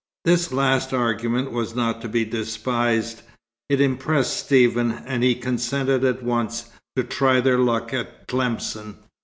This last argument was not to be despised. It impressed Stephen, and he consented at once to "try their luck" at Tlemcen.